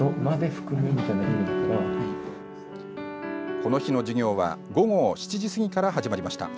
この日の授業は午後７時過ぎから始まりました。